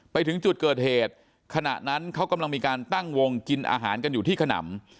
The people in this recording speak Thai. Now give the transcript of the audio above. ไปถึงจุดเกิดเหตุขณะนั้นเขากำลังมีการตั้งวงกินอาหารกันอยู่ที่ขนำ